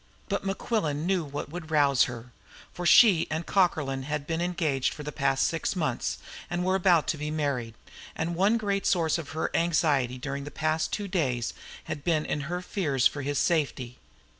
But Mequillen knew what would rouse her, for she and Cockerlyne had been engaged for the past six months, and were about to be married, and one great source of her anxiety during the past two days had been in her fears for his safety.